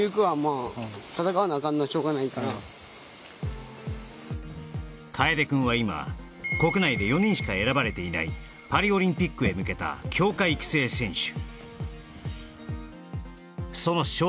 うわーっかっこいいな楓くんは今国内で４人しか選ばれていないパリオリンピックへ向けた強化育成選手